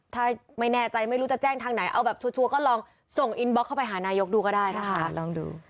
ถ้าไม่แน่ใจไม่รู้จะแจ้งทางไหนเอาแบบชัวร์ก็ลองส่งอินบล็อกเข้าไปหานายกดูก็ได้นะคะลองดู